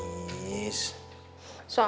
soalnya saya lagi agak kesel sama mondi